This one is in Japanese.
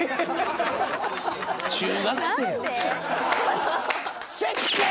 中学生や。